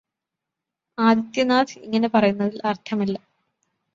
ആദിത്യനാഥ് ഇങ്ങനെ പറയുന്നതിൽ അർഥമില്ല.